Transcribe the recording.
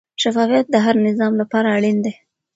شفافیت د هر نظام لپاره اړین دی.